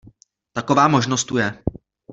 Taková možnost tu je.